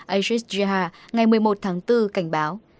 aishish jha ngày một mươi một tháng bốn cảnh báo